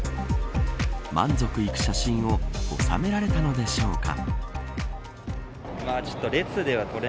満足いく写真を収められたのでしょうか。